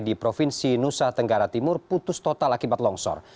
di provinsi nusa tenggara timur putus total akibat longsor